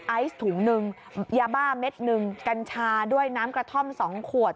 ไอซ์ถุงหนึ่งยาบ้าเม็ดหนึ่งกัญชาด้วยน้ำกระท่อม๒ขวด